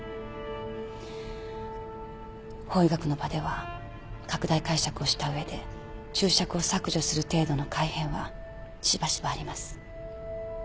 法医学の場では拡大解釈をした上で注釈を削除する程度の改変はしばしばあります。